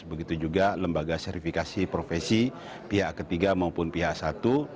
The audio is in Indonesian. begitu juga lembaga verifikasi profesi pihak ketiga maupun pihak satu